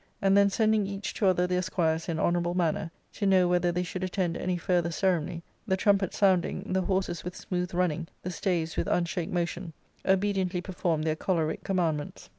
And, then sending each to other their squires in honourable manner, to know whether they should attend any further ceremony, the trumpets sounding, the horses with smooth running, the staves with unshaked motion, obediently performed their choleric commandments.